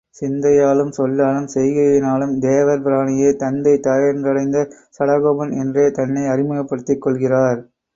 சிந்தையாலும் சொல்லாலும் செய்கையினாலும் தேவர் பிரானையே தந்தை தாயென்றடைந்த சடகோபன் என்றே தன்னை அறிமுகப்படுத்தி கொள்கிறார்.